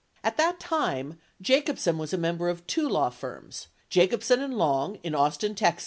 At that time, Jacobsen was a member of two law firms, Jacobsen and Long in Austin, Tex.